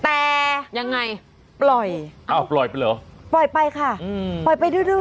แต่ยังไงปล่อยอ้าวปล่อยไปเหรอปล่อยไปค่ะอืมปล่อยไปเรื่อย